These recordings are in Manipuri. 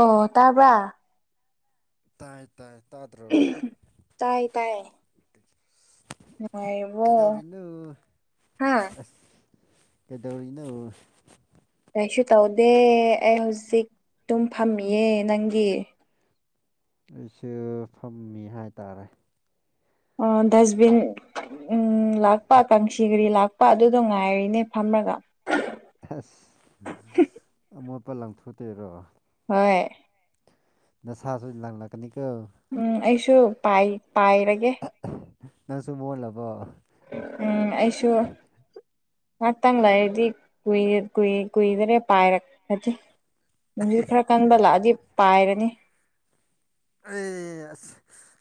ꯑꯣ ꯇꯥꯕ꯭ꯔꯥ ꯇꯥꯏ ꯇꯥꯏ ꯇꯥꯗ꯭ꯔꯣ ꯀꯩꯗꯧꯔꯤꯅꯣ ꯑꯁ ꯀꯩꯗꯧꯔꯤꯅꯣ ꯀꯩꯁꯨ ꯇꯧꯗꯦ ꯑꯩ ꯍꯧꯖꯤꯛ ꯗꯨꯝ ꯐꯝꯃꯤꯌꯦ ꯅꯪꯗꯤ ꯑꯩꯁꯨ ꯐꯝꯃꯤ ꯍꯥꯏ ꯇꯥꯔꯦ ꯑꯥ ꯗꯁꯕꯤꯟ ꯎꯝ ꯂꯥꯛꯄ ꯀꯥꯡꯁꯤꯒꯔꯤ ꯂꯥꯛꯄ ꯄ ꯑꯗꯨꯗ ꯉꯥꯏꯔꯤꯅꯦ ꯐꯝꯔꯒ ꯑꯁ ꯑꯃꯣꯠꯄ ꯂꯪꯊꯣꯛꯇꯣꯏꯔꯣ ꯍꯣꯏ ꯅꯁꯥꯁꯨ ꯂꯪꯅꯛꯀꯅꯤꯀꯣ ꯎꯝ ꯑꯩꯁꯨ ꯄꯥꯏ ꯄꯥꯏꯔꯒꯦ ꯅꯪꯁꯨ ꯃꯣꯠꯂꯕꯣ ꯎꯝ ꯑꯩꯁꯨ ꯉꯥꯛꯇꯪ ꯂꯩꯔꯗꯤ ꯀꯨꯏ ꯀꯨꯏ ꯀꯨꯏꯕꯅꯦ ꯄꯥꯏꯔꯛꯑꯗꯤ ꯅꯨꯡꯁꯤꯠ ꯈꯔ ꯀꯟꯕ ꯂꯥꯛꯑꯗꯤ ꯄꯥꯏꯔꯅꯤ ꯑꯦ ꯑꯁ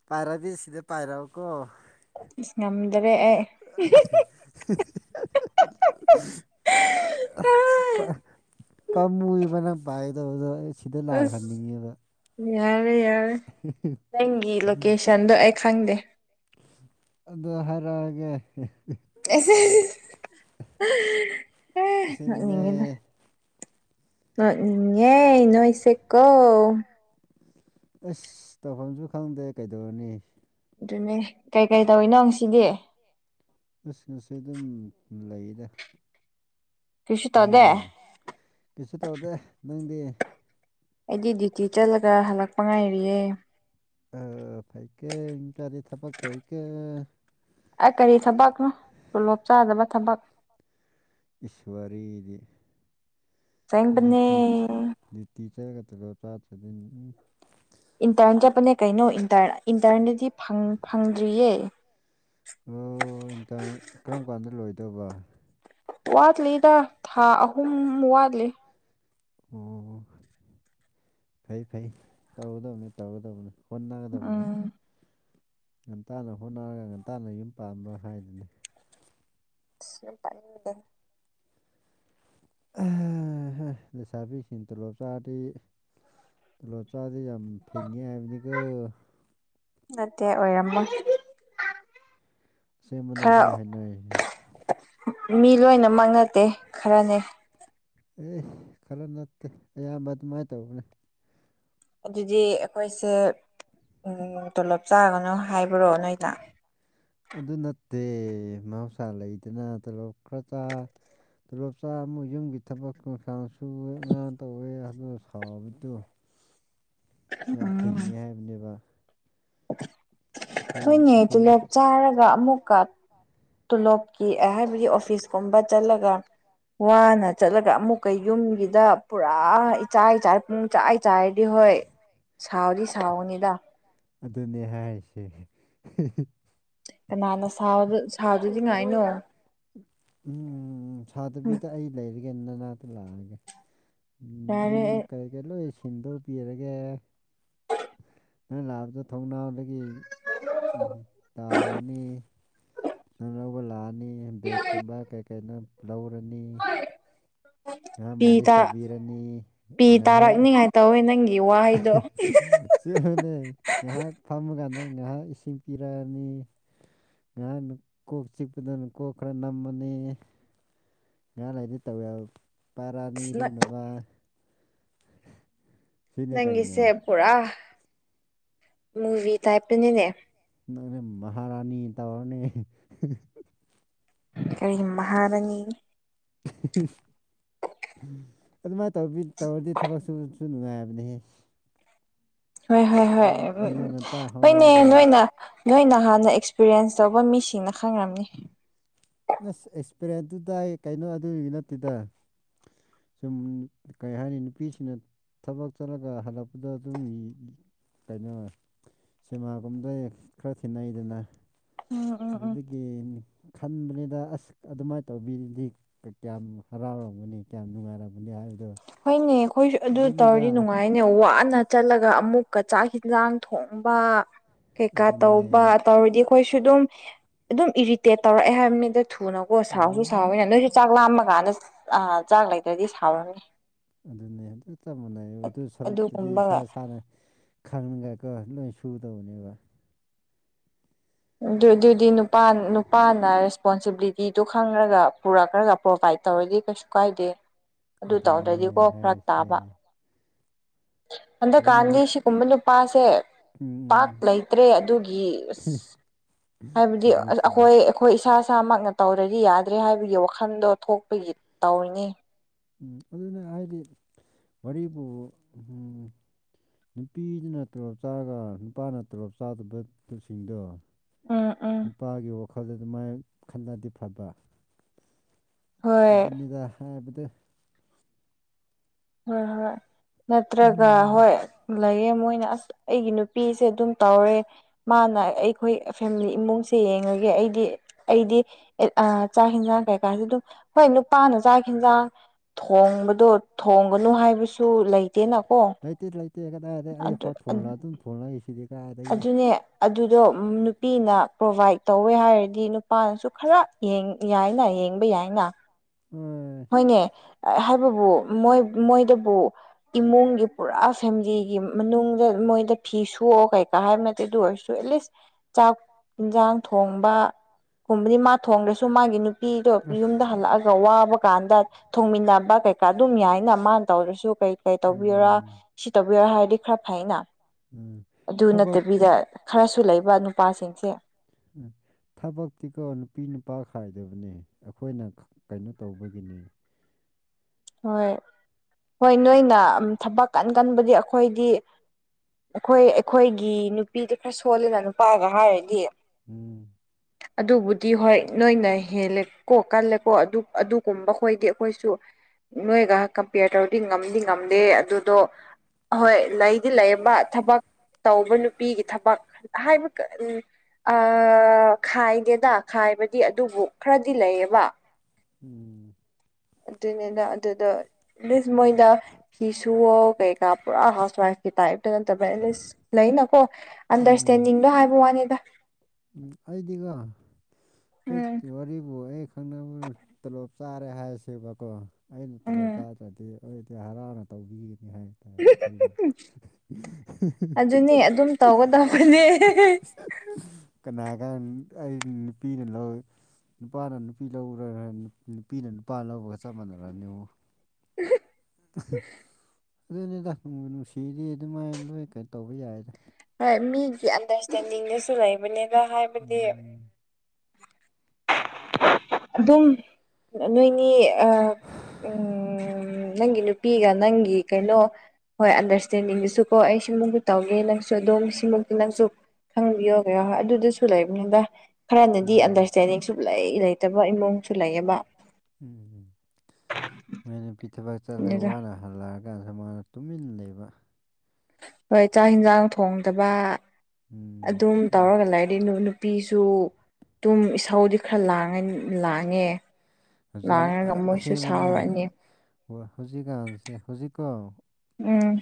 ꯄꯥꯏꯔꯗꯤ ꯁꯤꯗ ꯄꯥꯏꯔꯛꯑꯣꯀꯣ ꯏꯁ ꯉꯝꯗꯔꯦ ꯑꯩ [unintelligible] ꯑ ꯄꯥꯝꯃꯨꯕꯅ ꯄꯥꯏꯗꯧꯕꯗꯣ ꯑꯩ ꯁꯤꯗ ꯂꯥꯛꯍꯟꯅꯤꯡꯉꯦꯕ ꯌꯥꯔꯦ ꯌꯥꯔꯦ ꯅꯪꯒꯤ ꯂꯣꯀꯦꯁꯟꯗꯣ ꯑꯩ ꯈꯪꯗꯦ ꯑꯗꯨ ꯍꯥꯏꯔꯛꯑꯒꯦ ꯑꯦ ꯅꯣꯛꯅꯤꯡꯉꯤꯗ ꯅꯣꯛꯅꯤꯡꯉꯦ ꯅꯣꯏꯁꯦꯀꯣ ꯑꯁ ꯇꯧꯐꯝꯁꯨ ꯈꯪꯗꯦ ꯀꯩꯗꯧꯔꯨꯅꯤ ꯑꯗꯨꯅꯦ ꯀꯩꯀꯩ ꯇꯧꯔꯤꯅꯣ ꯉꯁꯤꯗꯤ ꯑꯁ ꯉꯁꯤꯗꯨꯝ ꯂꯩꯗ ꯅꯪꯗꯤ ꯀꯩꯁꯨ ꯇꯧꯗꯦ ꯅꯪꯗꯤ ꯑꯩꯗꯤ ꯗ꯭ꯌꯨꯇꯤ ꯆꯠꯂꯒ ꯍꯜꯂꯛꯄ ꯉꯥꯏꯔꯤꯌꯦ ꯑꯣ ꯐꯩꯀꯣ ꯃꯤ ꯃꯆꯥꯗꯤ ꯊꯕꯛ ꯇꯧꯏꯀꯣ ꯑꯥ ꯀꯔꯤ ꯊꯕꯛꯅꯣ ꯇꯣꯂꯣꯞ ꯆꯥꯗꯕ ꯊꯕꯛ ꯏꯁ ꯋꯥꯔꯤꯗꯤ ꯗ꯭ꯌꯨꯇꯤ ꯗ꯭ꯌꯨꯇꯤ ꯆꯠꯂꯒ ꯇꯣꯂꯣꯞ ꯆꯥꯗ꯭ꯔꯗꯤ ꯑꯝ ꯏꯟꯇꯔꯟ ꯆꯠꯄꯅꯦ ꯀꯩꯅꯣ ꯏꯟꯇꯔꯟꯗꯨꯗꯤ ꯏꯟꯇ꯭ꯔꯟꯗꯨꯗꯤ ꯐꯪ ꯐꯪꯗ꯭ꯔꯤꯌꯦ ꯑꯣ ꯏꯟꯇꯔꯟ ꯀꯔꯝ ꯀꯥꯟꯗ ꯂꯣꯏꯗꯣꯕ ꯋꯥꯠꯂꯤꯗ ꯊꯥ ꯑꯍꯨꯝ ꯋꯥꯠꯂꯤ ꯑꯣ ꯐꯩ ꯐꯩ ꯇꯧꯒꯗꯣꯕꯅꯤ ꯇꯧꯒꯗꯧꯕꯅꯦ ꯍꯣꯠꯅꯒꯗꯕꯅꯦ ꯉꯟꯇꯥꯅ ꯍꯣꯠꯅꯔꯒ ꯉꯟꯇꯥꯅ ꯌꯨꯝ ꯄꯥꯝꯕ ꯍꯥꯏꯗꯨꯅꯤ ꯁꯌꯨꯝ ꯄꯥꯟꯅꯤꯡꯗꯦ ꯑꯥꯍ ꯂꯩꯁꯥꯕꯤꯁꯤꯡ ꯇꯣꯂꯣꯞ ꯆꯥꯔꯗꯤ ꯇꯣꯂꯣꯞ ꯆꯥꯔꯗꯤ ꯌꯥꯝ ꯐꯤꯡꯉꯦ ꯍꯥꯏꯕꯅꯤꯒꯣ ꯅꯠꯇꯦ ꯑꯣꯏꯔꯝꯃꯣꯏ ꯑꯁꯦꯡꯕꯅꯦ ꯂꯣꯏ ꯍꯥꯏꯅꯩꯌꯦ ꯃꯤ ꯂꯣꯏꯅꯃꯛ ꯅꯠꯇꯦ ꯈꯔꯅꯦ ꯑꯦ ꯈꯔ ꯅꯠꯇꯦ ꯑꯌꯥꯝꯕ ꯑꯗꯨꯃꯥꯏ ꯇꯧꯕꯅꯦ ꯑꯗꯨꯗꯤ ꯑꯩꯈꯣꯏꯁꯦ ꯎꯝ ꯇꯣꯂꯣꯞ ꯆꯥꯒꯅꯣ ꯍꯥꯏꯕ꯭ꯔꯣ ꯅꯣꯏꯅ ꯑꯗꯨ ꯅꯠꯇꯦ ꯃꯍꯧꯁꯥ ꯂꯩꯗꯅ ꯇꯣꯂꯣꯞ ꯈꯔ ꯆꯥ ꯇꯣꯂꯣꯞ ꯆꯥ ꯑꯃꯨꯛ ꯌꯨꯝꯒꯤ ꯊꯕꯛ ꯏꯪꯈꯥꯡꯁꯨꯕ ꯉꯥꯡ ꯇꯧꯋꯦ ꯍꯥꯏꯕ ꯁꯥꯎꯕꯗꯣ ꯌꯥꯝ ꯐꯤꯡꯉꯦ ꯍꯥꯏꯕꯅꯦꯕ ꯍꯣꯏꯅꯦ ꯇꯨꯂꯣꯞ ꯆꯥꯔꯒ ꯑꯃꯨꯛꯀ ꯇꯣꯂꯣꯞꯀꯤ ꯍꯥꯏꯕꯗꯤ ꯑꯣꯐꯤꯁ ꯀꯨꯝꯕ ꯆꯠꯂꯒ ꯋꯥꯅ ꯆꯠꯂꯒ ꯑꯃꯨꯛꯀ ꯌꯨꯝꯒꯤꯗ ꯄꯨꯔꯥ ꯏꯆꯥꯏ ꯆꯥꯥꯏꯔ ꯄꯨꯡꯆꯥꯏ ꯆꯥꯏꯔꯗꯤ ꯍꯣꯏ ꯁꯥꯎꯗꯤ ꯁꯥꯥꯎꯒꯅꯤꯗꯥ ꯑꯗꯨꯅꯦ ꯍꯥꯏꯔꯤꯁꯦ ꯀꯅꯥꯅ ꯁꯥꯎꯗ ꯁꯥꯎꯗꯅꯤꯉꯥꯏꯅꯣ ꯎꯝ ꯁꯥꯎꯗꯕꯤꯗ ꯑꯩ ꯂꯩꯔꯒꯦ ꯅꯅꯥꯛꯇ ꯂꯥꯛꯑꯒꯦ ꯎꯝ ꯌꯨꯝ ꯀꯩꯀꯩ ꯂꯣꯏ ꯁꯤꯟꯗꯣꯛꯄꯤꯔꯒꯦ ꯅꯪ ꯂꯥꯛꯕꯗ ꯊꯣꯡꯅꯥꯎꯗꯒꯤ ꯎꯝ ꯇꯥꯔꯅꯤ ꯅꯪ ꯂꯧꯕ ꯂꯥꯛꯑꯅꯤ ꯕꯦꯛꯀꯨꯝꯕ ꯀꯩ ꯀꯩꯅꯣ ꯂꯧꯔꯅꯤ [inaudible] ꯉꯍꯥꯛ ꯃꯥꯂꯤꯁ ꯇꯧꯕꯤꯔꯅꯤ ꯉꯍꯥꯛ ꯇꯧꯋꯦ ꯅꯪꯒꯤ ꯋꯥꯍꯩ ꯆꯦꯕꯅꯦ ꯍꯥꯏꯕꯅꯦ ꯉꯥꯏꯍꯥꯛ ꯐꯥꯝꯃ ꯀꯥꯟꯗ ꯉꯥꯏꯍꯥꯛ ꯏꯁꯤꯡ ꯄꯤꯔꯛꯑꯅꯤ ꯉꯥꯏꯍꯥꯛꯅ ꯀꯣꯛ ꯆꯤꯛꯄꯗꯅ ꯀꯣꯛ ꯈꯔ ꯅꯝꯃꯅꯤ ꯉꯥꯏꯍꯥꯛ ꯂꯩꯗꯤ ꯇꯋꯦꯜ ꯄꯥꯔꯛꯑꯅꯤ ꯏꯔꯨꯅꯕ ꯅꯪꯒꯤꯁꯦ ꯄꯨꯔꯥ ꯃꯨꯚꯤ ꯇꯥꯏꯞꯇꯅꯤꯅꯦ ꯅꯪꯅꯦ ꯃꯍꯥꯔꯥꯅꯤ ꯇꯧꯔꯅꯤ ꯀꯔꯤ ꯃꯍꯥꯔꯅꯤ ꯑꯗꯨꯃꯥꯏ ꯇꯧꯕꯤ ꯇꯧꯔꯗꯤ ꯊꯕꯛꯁꯨ ꯗꯨ ꯅꯨꯡꯉꯥꯏꯕꯅꯦꯍꯦ ꯍꯣꯏ ꯍꯣꯏ ꯍꯣꯏ ꯎꯝ ꯍꯣꯏꯅꯦ ꯅꯣꯏꯅ ꯅꯣꯏ ꯅꯍꯥꯟꯅ ꯑꯦꯛꯁꯄꯤꯔꯤꯌꯦꯁ ꯇꯧꯕ ꯃꯤꯁꯤꯡꯅ ꯈꯪꯔꯝꯅꯤ ꯑꯁ ꯑꯦꯛꯁꯄꯤꯔꯦꯟ ꯗꯨꯗꯥꯒꯤ ꯀꯩꯅꯣ ꯑꯗꯨꯒꯤ ꯅꯠꯇꯦꯗ ꯁꯨꯝ ꯀꯩ ꯍꯥꯏꯅꯤ ꯅꯨꯄꯤꯁꯤꯡꯅ ꯊꯕꯛ ꯆꯠꯂꯒ ꯍꯜꯂꯛꯄꯗ ꯑꯗꯨꯝ ꯌꯤ ꯀꯩꯅꯣ ꯁꯤꯃꯥꯒꯨꯝꯗꯩꯩ ꯈꯔ ꯊꯤꯅꯩꯗꯅ ꯎꯝ ꯎꯝ ꯎꯝ ꯌꯦꯟ ꯈꯟꯕꯅꯦ ꯗ ꯑꯁ ꯑꯗꯨꯃꯥꯏ ꯇꯧꯕꯤꯔꯤꯗꯤ ꯀ ꯀꯌꯥꯝ ꯍꯔꯥꯎꯔꯝꯒꯅꯤ ꯀꯌꯥꯝ ꯅꯨꯡꯉꯥꯏꯔꯝꯒꯅꯤ ꯍꯥꯏꯕꯗꯣ ꯍꯣꯏꯅꯦ ꯑꯈꯣꯏꯁꯨ ꯑꯗꯨ ꯇꯧꯔꯗꯤ ꯅꯨꯡꯉꯥꯏ ꯑꯩꯅꯦ ꯋꯥꯅ ꯆꯠꯂꯒ ꯑꯃꯨꯛꯀ ꯆꯥ ꯍꯤꯟꯖꯥꯡ ꯊꯣꯡꯕ ꯀꯩꯀꯥ ꯇꯧꯕ ꯇꯧꯔꯗꯤ ꯈꯣꯏꯁꯨ ꯗꯨꯝ ꯑꯗꯨꯝ ꯏꯔꯤꯇꯦꯠ ꯇꯧꯔꯛꯑꯦ ꯍꯥꯏꯕꯅꯤꯗ ꯊꯨꯅ ꯑꯣ ꯁꯥꯎꯖꯨ ꯁꯥꯎꯋꯦ ꯅꯣꯏꯖꯨ ꯆꯥꯛ ꯂꯥꯝꯃ ꯀꯥꯟꯗ ꯑ ꯆꯥꯛ ꯂꯩꯇ꯭ꯔꯗꯤ ꯁꯥꯎꯔꯅꯤ ꯑꯗꯨꯅ‌ꯦ ꯑꯗꯨꯇ ꯃꯨꯟꯅꯒꯗ‌ꯣꯏ ꯁꯔꯨꯛꯄꯨꯗꯤ ꯏꯁꯥ ꯏꯁꯥꯅ ꯈꯪꯉꯒ ꯂꯣꯏ ꯁꯨꯗꯧꯕꯅꯦꯕ ꯗꯨ ꯗꯨꯗꯤ ꯅꯨꯄꯥ ꯅꯨꯄꯥꯅ ꯔꯦꯁꯄꯣꯟ ꯁꯤꯕꯂꯤꯇꯤꯗꯨ ꯈꯪꯔꯒ ꯄꯨꯔꯛꯈ꯭ꯔꯒ ꯄ꯭ꯔꯣꯚꯥꯏꯇ ꯇꯧꯔꯗꯤ ꯀꯩꯁꯨ ꯀꯥꯏꯗꯦ ꯑꯗꯨ ꯇꯧꯗ꯭ꯔꯗꯤꯀꯣ ꯐ꯭ꯔꯛ ꯇꯥꯕ ꯍꯟꯗꯛ ꯀꯥꯟꯗꯤ ꯁꯤ ꯀꯨꯝꯕ ꯅꯨꯞꯄꯥ ꯁꯦ ꯄꯥꯛ ꯂꯩꯇ꯭ꯔꯦ ꯑꯗꯨꯒꯤ ꯑꯁ ꯍꯥꯏꯕꯗꯤ ꯑꯈꯣꯏ ꯈꯣꯏ ꯏꯁꯥ ꯏꯁꯥꯃꯛꯅ ꯇꯧꯔꯗꯤ ꯌꯥꯗ꯭ꯔꯦ ꯍꯥꯏꯕꯒꯤ ꯋꯥꯈꯟꯗꯣ ꯊꯣꯛꯄꯒꯤ ꯇꯧꯔꯤꯅꯤ ꯎꯝ ꯑꯗꯨꯅ ꯍꯥꯏꯗꯤ ꯋꯔꯤꯕꯨꯕ [unintelligible] ꯅꯨꯄꯤꯗꯨꯅ ꯇꯣꯂꯣꯞ ꯆꯥꯔꯒ ꯅꯨꯄꯥꯅ ꯇꯣꯂꯣꯞ ꯆꯥꯗꯕ ꯗꯨ ꯁꯤꯡꯗꯣ ꯎꯝ ꯎꯝ ꯅꯨꯄꯥꯒꯤ ꯋꯥꯈꯜꯗ ꯗꯨꯃꯥꯏ ꯈꯟꯂꯗꯤ ꯐꯕ ꯑꯗꯨꯅꯤꯗ ꯍꯥꯏꯕꯗꯤ ꯍꯣꯏ ꯍꯣꯏ ꯅꯠꯇ꯭ꯔꯒ ꯍꯣꯏ ꯂꯩꯌꯦ ꯃꯣꯏꯅ ꯑꯁ ꯑꯩꯒꯤ ꯅꯨꯄꯤꯁꯦ ꯑꯗꯨꯝ ꯇꯧꯔꯦ ꯃꯥꯅ ꯑꯩꯈꯣꯏ ꯐꯦꯝꯂꯤ ꯏꯃꯨꯡꯁꯦ ꯌꯦꯡꯉꯒꯦ ꯑꯩꯗꯤ ꯑꯩꯗꯤ ꯑꯦꯠ ꯑ ꯆꯥꯛ ꯍꯤꯟꯖꯥꯡ ꯀꯩꯀꯥꯖꯨ ꯗꯨꯝ ꯍꯣꯏ ꯅꯨꯄꯥꯅ ꯆꯥꯛ ꯍꯦꯟꯖꯥꯡ ꯊꯣꯡꯕꯗꯣ ꯊꯣꯡꯒꯅꯨ ꯍꯥꯏꯕꯁꯨ ꯂꯩꯇꯦꯅꯀꯣ ꯑꯗꯨ ꯑꯗ ꯑꯗꯨꯅꯦ ꯑꯗꯨꯗꯣ ꯅꯨꯄꯤꯅ ꯄ꯭ꯔꯣꯚꯥꯏꯠ ꯇꯧꯋꯦ ꯍꯥꯏꯔꯗꯤ ꯅꯨꯄꯥꯅꯁꯨ ꯈꯔ ꯌꯦꯡ ꯌꯥꯏꯅ ꯌꯦꯡꯕ ꯌꯥꯏꯅ ꯎꯝ ꯍꯣꯏꯅꯦ ꯍꯥꯏꯕꯕꯨ ꯃ‌ꯣꯏ ꯃꯣꯏꯗꯕꯨ ꯏꯃꯨꯡꯒꯤ ꯄꯨꯔꯥ ꯐ‌ꯦꯝꯂꯤꯒꯤ ꯃꯅꯨꯡꯗ ꯃꯣꯏꯗ ꯐꯤ ꯁꯨꯑꯣ ꯀꯩꯀꯥ ꯍꯥꯏꯕ ꯅꯠꯇꯦ ꯑꯗꯨ ꯑꯣꯏꯔꯁꯨ ꯑꯦꯂꯤꯁ ꯆꯥꯛ ꯏꯟꯖꯥꯡ ꯊꯣꯡꯕ ꯀꯨꯨꯝꯕꯗꯤ ꯃꯥ ꯊꯣꯡꯗ꯭ꯔꯁꯨ ꯃꯥꯒꯤ ꯅꯨꯄꯤꯗꯣ ꯌꯨꯝꯗ ꯍꯜꯂꯑꯒ ꯋꯥꯕ ꯀꯥꯟꯗ ꯊꯣꯡꯃꯤꯟꯅꯕ ꯀꯩ ꯀ ꯑꯗꯨꯝ ꯌꯥꯏꯅ ꯃꯥꯟ ꯇꯧꯗ꯭ꯔꯁꯨ ꯀꯩ ꯀꯩ ꯇꯧꯕꯤꯔꯥ ꯁꯤ ꯇꯧꯕꯤꯔꯥ ꯍꯥꯏꯗꯤ ꯈꯔ ꯐꯩ ꯅ ꯎꯝ ꯊꯕꯛ ꯕꯤꯗ ꯈꯔꯁꯨ ꯂꯩꯕ ꯅꯨꯄꯥꯁꯤꯡꯁꯦ ꯎꯝ ꯊꯕꯛꯇꯤꯀꯣ ꯅꯨꯄꯤ ꯅꯨꯄꯥ ꯈꯥꯏꯗꯕꯅꯦ ꯑꯈꯣꯏꯅ ꯀꯩꯅꯣ ꯇꯧꯕꯒꯤꯅ‌ꯦ ꯍꯣꯏ ꯍꯣꯏ ꯅꯣꯏꯅ ꯎꯝ ꯊꯕꯛ ꯀꯟ ꯀꯟꯕꯗꯤ ꯑꯈꯣꯏꯗꯤ ꯑꯩꯈꯣꯏ ꯑꯩꯈꯣꯏꯒꯤ ꯅꯨꯄꯤꯗꯨ ꯈꯔ ꯁꯣꯜꯂꯦꯅ ꯅꯨꯄꯥꯒ ꯍꯥꯏꯔꯗꯤ ꯑꯗꯨꯕꯨꯗꯤ ꯍꯣꯏ ꯅꯣꯏꯅ ꯍꯦꯜꯂꯦꯀꯣ ꯀꯜꯂꯦꯀꯣ ꯑꯗꯨ ꯑꯗꯨꯀꯨꯝꯕ ꯈꯣꯏꯗꯤ ꯑꯈꯣꯏꯁꯨ ꯅꯣꯏꯒꯥꯛ ꯀꯝꯄꯤꯌꯔ ꯇꯧꯔꯗꯤ ꯉꯝꯗꯤ ꯉꯝꯗꯦ ꯑꯗꯨꯗꯣ ꯑꯍꯣꯏ ꯂꯩꯗꯤ ꯂꯩꯌ‌ꯦꯕ ꯊꯕꯛ ꯇꯧꯕ ꯅꯨꯄꯤꯒꯤ ꯊꯕꯛ ꯍꯥꯏꯕ ꯀꯔ ꯑꯥ ꯈꯥꯏꯗꯦꯗ ꯈꯥꯏꯕꯗꯤ ꯑꯗꯨꯕꯨ ꯈꯔꯗꯤ ꯂꯩꯌꯦꯕ ꯎꯝ ꯑꯗꯨꯅꯤꯅ ꯑꯗꯨꯗ ꯂꯤꯁ ꯃꯣꯏꯗ ꯐꯤ ꯁꯨꯋ‌ꯣ ꯀꯩꯀꯥ ꯄꯨꯔꯥ ꯍꯥꯎꯁ ꯋꯥꯏꯐꯀꯤ ꯇꯥꯏꯞꯇ ꯅꯠꯇꯕ ꯑꯦꯠꯂꯤꯁ ꯂꯩ ꯅ ꯀꯣ ꯑꯟꯗꯔꯁꯇꯦꯟꯗꯤꯡꯗꯣ ꯍꯥꯏꯕ ꯋꯥꯅꯤꯗ ꯎꯝ ꯑꯩꯗꯤꯒ‌ꯣ ꯑꯣꯏ ꯎꯝ ꯋꯔꯤꯕꯨ ꯑꯩ ꯈꯪꯅꯕ ꯇꯣꯂꯣꯞ ꯆꯥꯔꯦ ꯍꯥꯏꯔꯁꯦꯕꯀꯣ ꯑꯩꯅ ꯇꯣꯂꯣꯞ ꯆꯥꯗ꯭ꯔꯗꯤ ꯍꯔꯥꯎꯅ ꯇꯧꯕꯤꯒꯅꯤ ꯍꯥꯏ ꯈꯡꯗꯦ ꯀꯅꯥꯒ ꯑꯩ ꯅꯨꯄꯤꯅ ꯂꯧ ꯅꯨꯄꯥꯅ ꯅꯨꯄꯤ ꯂꯧꯔꯅꯤ ꯅꯨꯄꯤꯅ ꯅꯨꯄꯥ ꯂꯧꯕꯒ ꯆꯞ ꯃꯥꯟꯅꯔꯅꯤꯉꯣ [inaudible] ꯑꯗꯨꯅꯦꯗ ꯅꯨꯡꯕꯨ ꯅꯨꯡꯁꯤꯔꯗꯤ ꯑꯗꯨꯃꯥꯏ ꯂꯣꯏ ꯀꯩꯅꯣ ꯇꯧꯕ ꯌꯥꯏꯗ ꯍꯣꯢ ꯃꯤꯒꯤ ꯑꯟꯗꯔꯁ꯭ꯇꯦꯟꯗꯤꯡꯗꯁꯨ ꯂꯩꯕꯅꯤꯗ ꯍꯥꯏꯕꯗꯤ ꯑꯗꯨꯝ ꯅꯣꯏꯅꯤ ꯑꯥ ꯎꯝ ꯅꯪꯒꯤ ꯅꯨꯄꯤꯒ ꯅꯪꯒꯤ ꯀꯩꯅꯣ ꯍꯣꯏ ꯑꯟꯗꯔꯁ꯭ꯇꯦꯟꯗꯤꯡꯗꯁꯨ ꯀꯣ ꯑꯩꯁꯨ ꯅꯪꯕꯨ ꯇꯧꯒꯦ ꯅꯪꯁꯨ ꯑꯗꯨꯝ ꯁꯤꯃꯨꯛꯇꯤ ꯅꯪꯁꯨ ꯈꯪꯕꯤꯌꯣ ꯑꯗꯨꯗꯁꯨ ꯂꯩꯕꯅꯤꯗ ꯈꯔꯅꯗꯤ ꯑꯟꯗꯔꯁ꯭ꯇꯦꯟꯗꯤꯡ ꯁꯨꯛꯂꯩ ꯂꯩꯇꯕ ꯏꯃꯨꯡꯁꯨ ꯂꯩꯑꯦꯕ ꯎꯝ ꯃꯣꯏ ꯅꯨꯄꯤ ꯊꯕꯛ ꯆꯠꯂꯦ ꯋꯥꯅ ꯍꯜꯂꯛꯑꯀꯥꯟꯗꯅ ꯃꯥꯗꯣ ꯇꯨꯃꯤꯟ ꯂꯩꯕ ꯍꯣꯏ ꯆꯥꯛ ꯌꯦꯟꯁꯥꯡ ꯊꯣꯡꯗꯕ ꯑꯗꯨꯝ ꯇꯧꯔꯒ ꯂꯩ ꯗꯩꯗꯤ ꯅꯨꯄꯤꯁꯨ ꯗꯨꯝ ꯏꯁꯧꯗꯤ ꯈꯔ ꯂꯥꯡꯉꯅꯤ ꯂꯥꯡꯉꯦ ꯍꯧꯖꯤꯛ ꯑꯥ ꯑꯁꯦꯡꯕꯅꯦ ꯍꯣ ꯍꯧꯖꯤꯛꯀꯥꯟꯁꯦ ꯍꯧꯖꯤꯛꯀꯣ ꯎꯝ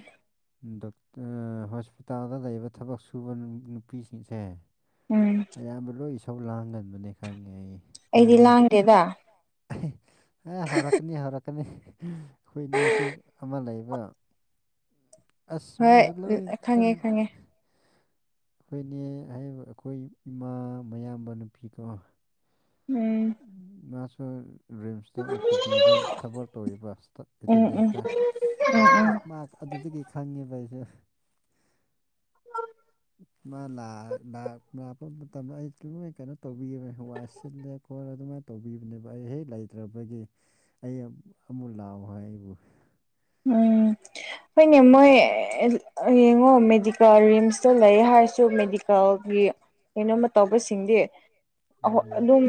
ꯗꯣꯛꯇꯔ ꯍꯣꯁꯄꯤꯇꯥꯜꯗ ꯂꯩꯕ ꯊꯕꯛ ꯁꯨꯕ ꯅꯨꯄꯤꯁꯤꯡꯁꯦ ꯎꯝ ꯑꯌꯥꯝꯕ ꯂꯣꯏ ꯏꯁꯧ ꯂꯥꯡꯒꯟꯕꯅꯦ ꯈꯪꯉꯦ ꯑꯩ ꯑꯩꯈꯣꯏ ꯏꯅꯦꯗꯤ ꯑꯦ ꯍꯧꯔꯛꯀꯅꯤ ꯍꯧꯔꯛꯀꯅꯤ ꯑꯩꯈꯣꯢ ꯏꯅꯦꯁꯨ ꯑꯃ ꯂꯩꯕ ꯑꯁ ꯃꯥꯁꯨ ꯂꯣꯢ ꯄꯨꯁꯟꯕ ꯑꯩꯈꯣꯏ ꯅꯦ ꯑꯩꯈꯣꯏ ꯏꯃꯥ ꯃꯌꯥꯝꯕ ꯅꯨꯄꯤꯗꯣ ꯎꯝ ꯃꯥꯁꯨ ꯔꯤꯝꯁꯇ ꯑꯣ ꯄꯤ ꯗꯤꯗ ꯊꯕꯛ ꯇꯧꯋꯦꯕ ꯁ꯭ꯇꯥꯐ ꯑꯦꯇꯦꯟꯗꯦꯟꯁꯇ ꯑꯁ ꯃꯥ ꯑꯗꯨꯗꯒꯤ ꯈꯪꯉꯦꯕ ꯑꯩꯁꯨ [inaudible] ꯃꯥ ꯂꯥꯛ ꯂꯥꯛ ꯂꯥꯛꯄ ꯃꯇꯝꯗ ꯑꯩ ꯂꯣꯏ ꯀꯩꯅꯣ ꯇꯧꯕꯤꯌꯦꯕ ꯋꯥꯢ ꯁꯤꯠꯂꯦ ꯍꯣꯢ ꯑꯗꯨꯃꯥꯏ ꯇꯧꯕꯤꯕꯅꯦꯕ ꯑꯩ ꯍꯦꯛ ꯂꯩꯇ꯭ꯔꯕꯒꯤ ꯑꯩ ꯑꯃꯨꯛ ꯂꯥꯛꯑꯣ ꯍꯥꯏ ꯑꯩꯕꯨ ꯎꯝ ꯍꯣꯏꯅꯦ ꯃꯣꯏ ꯑꯦ ꯌꯦꯡꯉꯣ ꯃꯦꯖꯤꯛ ꯔꯤꯝꯁꯇ ꯂꯩꯌꯦ ꯍꯥꯏꯔꯁꯨ ꯃꯦꯗꯤꯀꯦꯜꯒꯤ ꯀꯩꯅꯣꯝꯃ ꯇꯧꯕꯁꯤꯡꯗꯤ ꯑꯍꯣ ꯑꯗꯨꯝ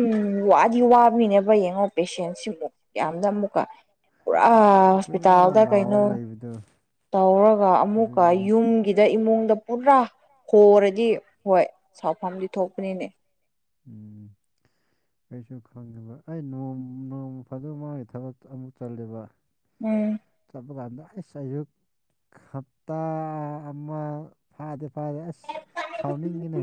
ꯋꯥꯗꯤ ꯋꯥꯕꯒꯤꯅꯦꯕ ꯌꯦꯡꯉꯣ ꯄꯦꯁꯦꯟꯁꯤ ꯌꯥꯝꯅ ꯑꯃꯨꯛꯀ ꯄꯨꯔꯥ ꯍꯣꯁꯄꯤꯇꯥꯜꯗ ꯀꯩꯅꯣ ꯇꯧꯔꯒ ꯑꯃꯨꯛꯀ ꯌꯨꯝ ꯒꯤꯗ ꯏꯃꯨꯡꯗ ꯄꯨꯔꯥ ꯍꯣꯔꯗꯤ ꯍꯣꯏ ꯁꯥꯎꯐꯝꯗꯤ ꯊꯣꯛꯄꯅꯤꯅꯦ ꯎꯝ ꯀꯩꯁꯨ ꯈꯪꯉꯦꯕ ꯑꯩ ꯅꯣꯡ ꯅꯣꯡꯃ ꯐꯥꯗꯣꯛ ꯃꯥꯒꯤ ꯊꯕꯛ ꯑꯃꯨꯛ ꯆꯠꯂꯦꯕ ꯎꯝ ꯆꯠꯄ ꯀꯥꯟꯗ ꯑꯩꯁ ꯑꯩꯁꯨ ꯍꯞꯇꯥ ꯑꯃ ꯐꯗꯤ ꯐꯥꯗꯦ ꯑꯁ ꯁꯥꯎꯅꯤꯡꯉꯤꯅꯦ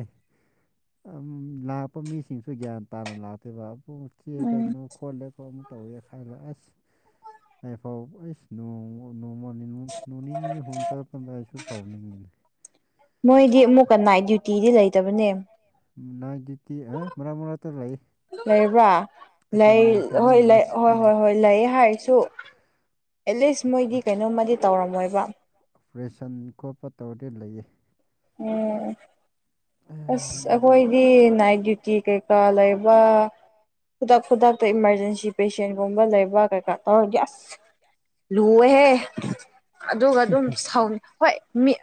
ꯑꯝ ꯂꯥꯛꯄ ꯃꯤꯁꯤꯡꯁꯨ ꯒꯤꯌꯥꯟ ꯇꯥꯅ ꯂꯥꯛꯇꯦꯕ ꯄꯨꯝ ꯆꯦ ꯀꯩꯅꯣ ꯈꯣꯠꯂꯦ ꯑꯃ ꯇꯧꯋꯦ ꯍꯥꯏꯅ ꯑꯁ ꯑꯩꯐꯥꯎ ꯑꯩꯁ ꯅꯣꯡ ꯋꯣ ꯅꯣꯡꯃꯅꯤ ꯅꯤꯅꯤ ꯍꯨꯝꯅꯤꯆꯪꯕꯗ ꯑꯩꯁꯨ ꯁꯥꯎꯅꯤꯡꯉꯤꯅꯦ ꯃꯣꯏꯗꯤ ꯑꯃꯨꯛꯀ ꯅꯥꯏꯠ ꯗ꯭ꯌꯨꯇꯤꯗꯤ ꯂꯩꯇꯕꯅꯦ ꯅꯥꯏꯠ ꯗꯤꯇꯤ ꯑꯦ ꯃꯔꯛ ꯃꯔꯛꯇꯥ ꯂꯩ ꯂꯩꯕ꯭ꯔꯥ ꯂꯩ ꯍꯣꯏ ꯂꯩ ꯍꯣꯏ ꯍꯣꯏ ꯍꯣꯏ ꯂꯩ ꯍꯥꯏꯔꯁꯨ ꯑꯦꯂꯤꯁ ꯃꯣꯏꯗꯤ ꯀꯩꯅꯣꯝꯃꯥꯗꯤ ꯇꯧꯔꯝꯃꯣꯏꯕ ꯄ꯭ꯔꯦꯁꯟ ꯈꯣꯠꯄ ꯇꯧꯔꯗꯤ ꯂꯩꯌꯦ [unintelligible] ꯑꯁ ꯑꯈꯣꯏꯗꯤ ꯅꯥꯏꯠ ꯗ꯭ꯌꯨꯇꯤ ꯀꯩꯀꯥ ꯂꯩꯕ ꯈꯨꯗꯛ ꯈꯨꯗꯛꯇꯥ ꯏꯃꯥꯔꯖꯦꯟꯁꯤ ꯄꯦꯁꯦꯟꯒꯨꯝꯕ ꯂꯩꯕ ꯀꯩꯀꯥ ꯇꯧꯔꯗꯤ ꯑꯁ ꯂꯨꯋꯦꯍꯦ ꯑꯗꯨꯒꯥ ꯑꯗꯨꯝ ꯁꯥꯎ ꯍꯣꯏ ꯃꯤ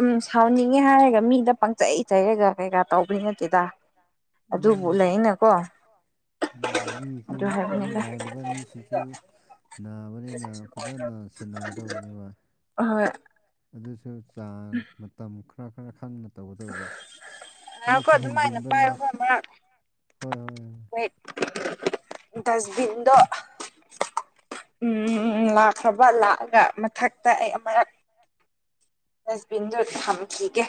ꯎꯝ ꯁꯥꯎꯅꯤꯡꯉꯦ ꯍꯥꯏꯔꯒꯥ ꯃꯤꯗ ꯄꯪꯆꯩ ꯆꯩꯔꯒ ꯀꯩꯀꯥ ꯇꯧꯕꯩ ꯅꯠꯇꯦꯗꯥ ꯑꯗꯨꯕꯨ ꯂꯩꯅꯀꯣ ꯑꯝ ꯃꯤꯁꯦ ꯃꯤ ꯂꯥꯂꯤꯕ ꯃꯤꯁꯤꯡꯁꯨ ꯅꯥꯕꯅꯤꯅ ꯐꯖꯅ ꯁꯦꯟꯅꯒꯥꯗꯕꯅꯦꯕ ꯑꯍꯣꯏ ꯑꯗꯨꯁꯨ ꯆꯥꯡ ꯃꯇꯝ ꯈ꯭ꯔꯥ ꯈ꯭ꯔꯥ ꯈꯪꯅ ꯇꯧꯒꯗꯧꯕ ꯃꯣꯏꯁꯨ ꯍꯦꯟꯖꯤꯟꯕ ꯂꯥꯞ [inaudible] ꯍꯣꯏ ꯍꯣꯏ ꯍꯣꯏ ꯗꯖ ꯕꯤꯟꯗꯣ ꯎꯝ ꯂꯥꯛ ꯈ꯭ꯔꯥꯕ ꯂꯥꯛꯑꯒ ꯃꯊꯛꯇꯥ ꯑꯩ ꯑꯃꯔꯛ ꯗꯁꯕꯤꯟꯗꯣ ꯊꯝꯈꯤꯒꯦ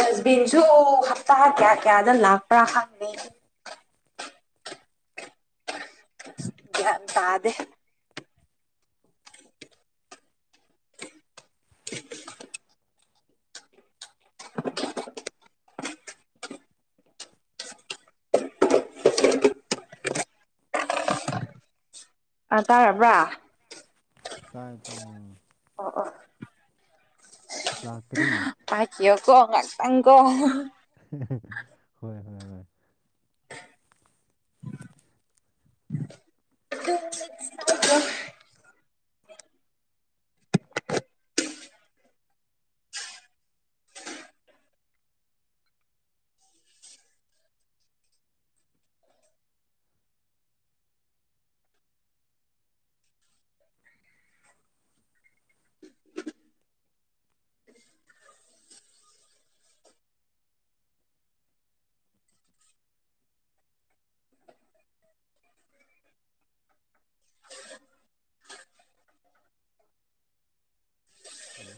ꯗꯁꯕꯤꯟꯁꯨ ꯍꯞꯇꯥ ꯀ꯭ꯌꯥ ꯀ꯭ꯌꯥꯗ ꯂꯥꯛꯄ꯭ꯔꯥ ꯈꯪ [unintelligible] [inaudible] ꯒ꯭ꯌꯥꯟ ꯇꯥꯗꯦ [inaudible] ꯑꯥ ꯇꯥꯔꯕ꯭ꯔꯥ ꯇꯥꯏ ꯇꯥꯏꯌꯦ ꯑꯣ ꯑꯣ ꯄꯥꯢꯀ꯭ꯌꯣ ꯀꯣ ꯉꯥꯛꯇꯪ ꯀꯣ ꯍꯣꯏ ꯍꯣꯏ ꯍꯣꯏ [unintelligible] ꯑꯦ